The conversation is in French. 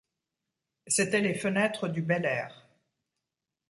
c’étaient les fenêtres du Bel-Air.